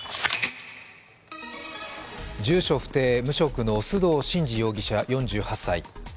住所不定・無職の須藤慎司容疑者４８歳。